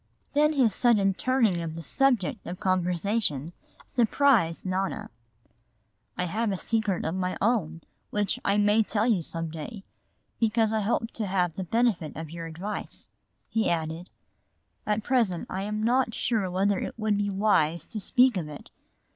Then his sudden turning of the subject of conversation surprised Nona. "I have a secret of my own which I may some day tell you, because I hope to have the benefit of your advice," he added. "At present I am not sure whether it would be wise to speak of it.